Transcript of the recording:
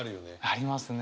ありますね。